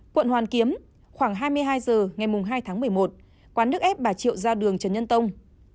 quận hoàn kiếm khoảng hai mươi hai h ngày hai tháng một mươi một quán nước ép bà triệu ra đường trần nhân tông